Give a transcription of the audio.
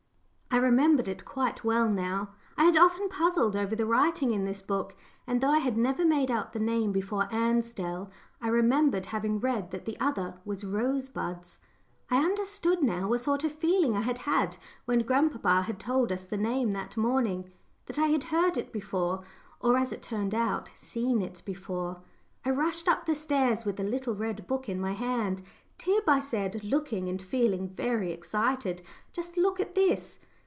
I remembered it quite well now I had often puzzled over the writing in this book, and though I had never made out the name before, "Ansdell," I remembered having read that the other was "Rosebuds." I understood now a sort of feeling I had had when grandpapa had told us the name that morning, that I had heard it before or, as it turned out, seen it before. I rushed up stairs with the little red book in my hand. "Tib," I said, looking and feeling very excited, "just look at this."